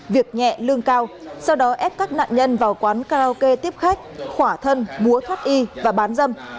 việc nhẹ lương cao sau đó ép các nạn nhân vào quán karaoke tiếp khách khỏa thân mua thoát y và bán dâm